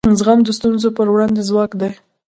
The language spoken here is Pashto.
زغم د ستونزو پر وړاندې ځواک دی.